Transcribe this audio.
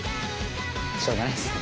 しょうがないっすね。